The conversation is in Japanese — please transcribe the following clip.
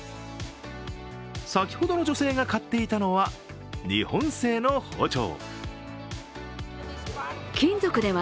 先ほどの女性が買っていたのは日本製の包丁。